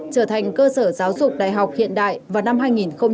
trở thành cơ sở giáo dục đại học hiện đại vào năm hai nghìn ba mươi